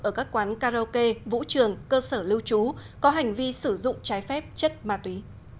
ở các quán karaoke vũ trường cơ sở lưu trú có hành vi sử dụng trái phép chất ma túy